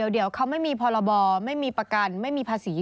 เดี๋ยวเขาไม่มีพรบไม่มีประกันไม่มีภาษี